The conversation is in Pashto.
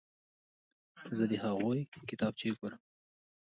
زه د هغوی کتابچې ګورم.